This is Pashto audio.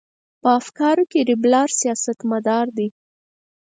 په افکارو کې لیبرال سیاستمدار دی.